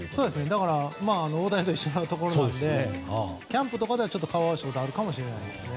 だから大谷と一緒のところなのでキャンプとかでは顔を合わせたことはあるかもしれないですね。